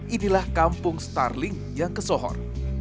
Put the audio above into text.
inilah kampung starling yang kesohor